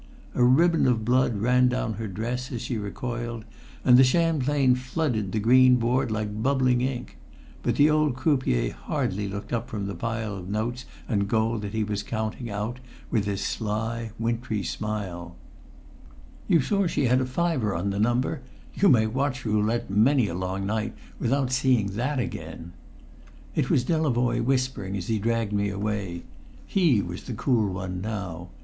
A ribbon of blood ran down her dress as she recoiled, and the champagne flooded the green board like bubbling ink; but the old croupier hardly looked up from the pile of notes and gold that he was counting out with his sly, wintry smile. [Illustration: I saw a bedizened beauty go mad before my eyes.] "You saw she had a fiver on the number? You may watch roulette many a long night without seeing that again!" It was Delavoye whispering as he dragged me away. He was the cool one now.